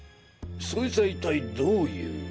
そいつは一体どういう？